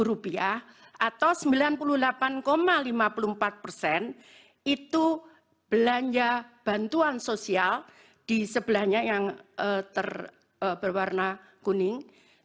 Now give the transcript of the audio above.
rp lima puluh empat itu belanja bantuan sosial di sebelahnya yang berwarna kuning